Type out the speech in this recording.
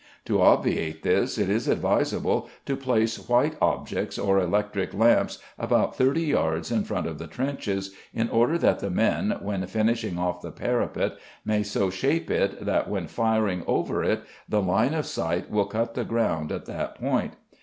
To obviate this it is advisable to place white objects or electric lamps about 30 yards in front of the trenches, in order that the men, when finishing off the parapet, may so shape it that when firing over it the line of sight will cut the ground at that point.